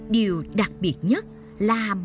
điều đặc biệt nhất là mọi hoạt động của inner space